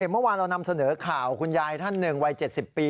เมื่อวานเรานำเสนอข่าวคุณยายท่านหนึ่งวัย๗๐ปี